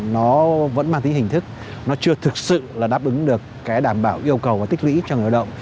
nó vẫn mang tính hình thức nó chưa thực sự là đáp ứng được cái đảm bảo yêu cầu và tích lý cho ngôi động